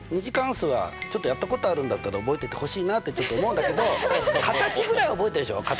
「２次関数」はちょっとやったことあるんだったら覚えててほしいなってちょっと思うんだけど形ぐらい覚えてるでしょ？